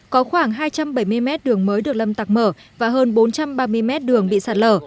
có khoảng hai trăm bảy mươi mét đường mới được lâm tặc mở và hơn bốn trăm ba mươi mét đường bị sạt lở